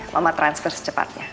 mama transfer secepatnya